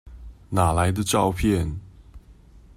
哪來的照片？